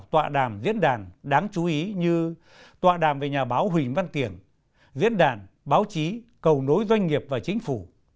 tọa đàm diễn đàn đáng chú ý như tọa đàm về nhà báo huỳnh văn tiểng diễn đàn báo chí cầu nối doanh nghiệp và chính phủ